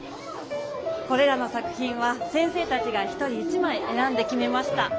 これらの作品は先生たちが一人一まいえらんできめました。